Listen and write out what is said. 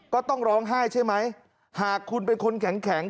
ก็ต้องร้องไห้ใช่ไหมหากคุณเป็นคนแข็ง